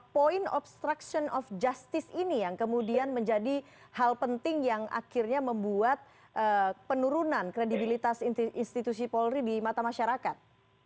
poin obstruction of justice ini yang kemudian menjadi hal penting yang akhirnya membuat penurunan kredibilitas institusi polri di mata masyarakat